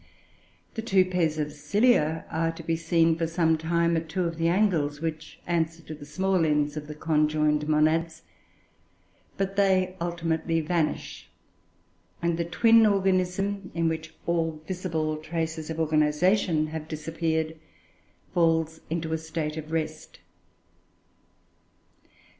The two pairs of cilia are to be seen, for some time, at two of the angles, which answer to the small ends of the conjoined monads; but they ultimately vanish, and the twin organism, in which all visible traces of organisation have disappeared, falls into a state of rest.